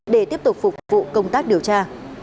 để tiếp tục phục vụ công tác điều tra